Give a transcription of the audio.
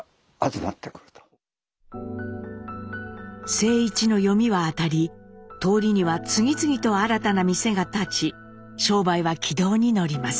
静一の読みは当たり通りには次々と新たな店が立ち商売は軌道に乗ります。